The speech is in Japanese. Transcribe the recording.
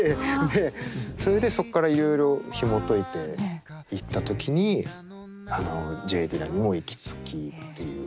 でそれでそっからいろいろひもといていった時にＪ・ディラにも行き着きっていう。